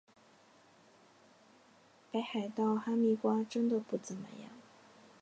北海道哈密瓜真的不怎么样